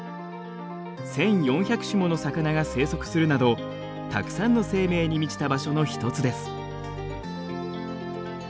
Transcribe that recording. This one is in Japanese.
１，４００種もの魚が生息するなどたくさんの生命に満ちた場所の一つです。